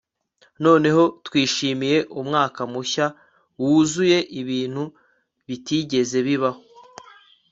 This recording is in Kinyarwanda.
noneho twishimiye umwaka mushya, wuzuye ibintu bitigeze bibaho